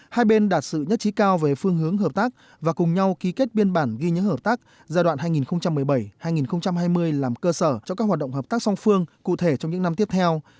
hai bên đạt sự nhất trí cao về phương hướng hợp tác và cùng nhau ký kết biên bản ghi nhớ hợp tác giai đoạn hai nghìn một mươi bảy hai nghìn hai mươi làm cơ sở cho các hoạt động hợp tác song phương cụ thể trong những năm tiếp theo